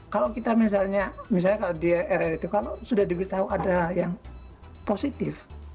kalau kita misalnya misalnya kalau dia rri itu kalau sudah diberitahu ada yang positif